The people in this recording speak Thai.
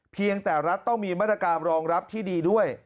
เพียงแต่รัฐต้องมีมาตรการรองรับที่ดีด้วย